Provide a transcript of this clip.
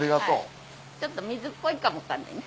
ちょっと水っぽいかも分かんないね。